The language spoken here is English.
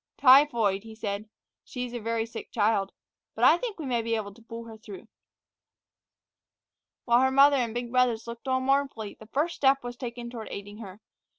"Typhoid," he said. "She's a very sick child. But I think we may be able to pull her through." With her mother and the big brothers looking on mournfully, the first step was taken toward aiding her.